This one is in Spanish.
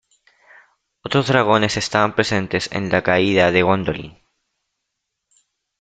Otros dragones estaban presentes en la Caída de Gondolin.